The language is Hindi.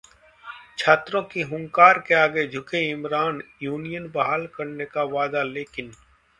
छात्रों की हुंकार के आगे झुके इमरान! यूनियन बहाल करने का वादा लेकिन...